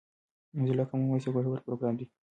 موزیلا کامن وایس یو ګټور پروګرام دی.